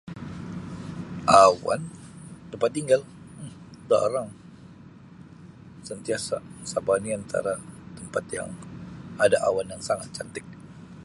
Awan tempat tinggal Um jarang sentiasa Sabah ni antara tempat yang ada awan yang sangat cantik.